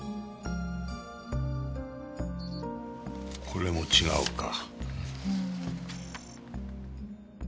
これも違うか。